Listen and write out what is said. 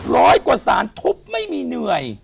ร้อยกว่าสารทุบไม่มีเหนื่อย